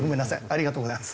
ありがとうございます。